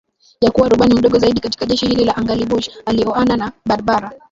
ya kuwa rubani mdogo zaidi katika jeshi hilo la anganiBush alioana na Barbara